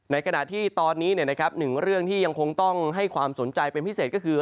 ในขณะที่ตอนนี้หนึ่งเรื่องที่ยังคงต้องให้ความสนใจเป็นพิเศษก็คือ